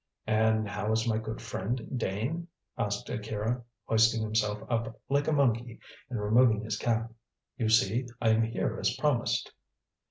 "And how is my good friend Dane?" asked Akira, hoisting himself up like a monkey and removing his cap. "You see, I am here as promised."